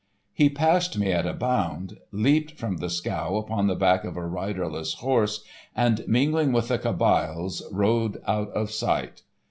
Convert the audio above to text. _" He passed me at a bound, leaped from the scow upon the back of a riderless horse, and, mingling with the Kabyles, rode out of sight.